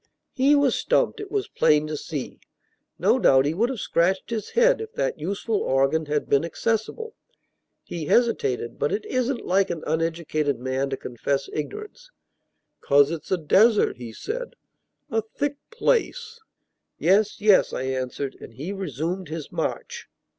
He was stumped, it was plain to see. No doubt he would have scratched his head, if that useful organ had been accessible. He hesitated; but it isn't like an uneducated man to confess ignorance. "'Cause it's a desert," he said, "a thick place." "Yes, yes," I answered, and he resumed his march.